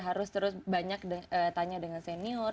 harus terus banyak tanya dengan senior